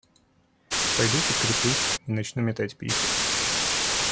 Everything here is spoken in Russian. Пойду подкреплюсь и начну метать бисер.